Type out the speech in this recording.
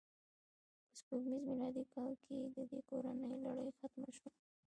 په سپوږمیز میلادي کال کې د دې کورنۍ لړۍ ختمه شوه.